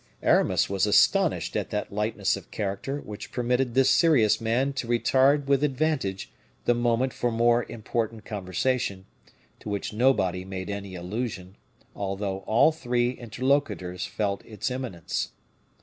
Aramis was astonished at that lightness of character which permitted this serious man to retard with advantage the moment for more important conversation, to which nobody made any allusion, although all three interlocutors felt its imminence.